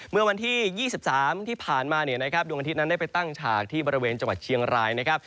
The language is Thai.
เมื่อวันที่๒๓ที่ผ่านมาเนี่ยนะครับดวงอาทิตย์นั้นได้ไปตั้งฉากที่บริเวณจังหวัดเชียงรายนะครับ